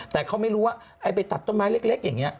แต่เขาไม่รู้ว่าไอ้ไปตัดต้นไม้เล็กอย่างนี้